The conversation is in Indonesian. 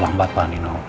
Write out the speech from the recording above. sudah terlambat pak nino